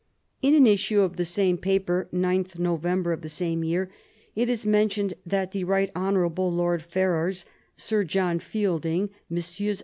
In an issue of the same paper 9th November, of the same year, it is mentioned that the Rt. Hon. Lord Ferrars, Sir John Fielding, Messrs.